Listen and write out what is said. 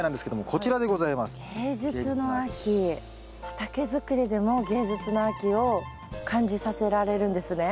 畑づくりでも芸術の秋を感じさせられるんですね。